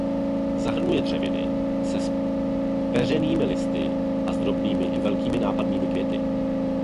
Zahrnuje dřeviny se zpeřenými listy a s drobnými i velkými a nápadnými květy.